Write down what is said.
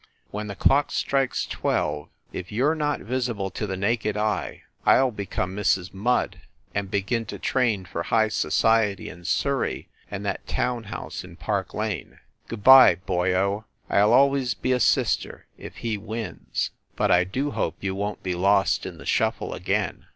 When the clock strikes twelve, if you re not visible to the naked eye, I ll become Mrs. Mudde, and begin to train for high society in Surrey and that town house in Park Lane. Good by, boyo I ll always be a sister, if he wins. But I do hope you won t be lost in the shuffle again